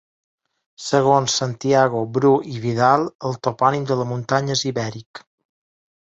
Segons Santiago Bru i Vidal, el topònim de la muntanya és ibèric.